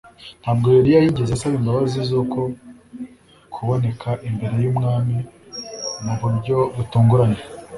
Ntabwo Eliya yigeze asaba imbabazi zuko kuboneka imbere yumwami mu buryo butunguranye